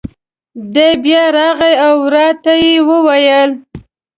دی بیا راغی او را ته یې وویل: